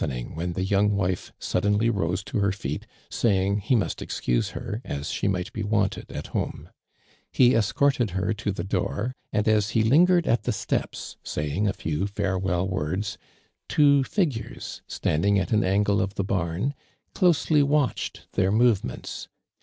18 ening when the young wife suddenly rose to her feet, saying he must excuse lier, bs she might be wanted at home, lie escort ed her to the door, and as he lingered ut the steps, saying a few farewell wortis, two figures, standing at an angle of the ham, closely watched their movements.